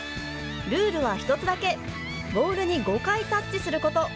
ルールは１つだけボールに５回タッチすること。